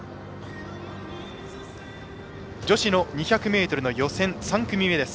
女子の２００ｍの予選３組目。